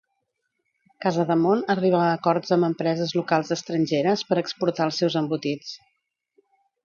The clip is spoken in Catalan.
Casademont arriba a acords amb empreses locals estrangeres per exportar els seus embotits.